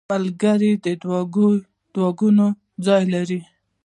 ملګری د دعاګانو ځای لري.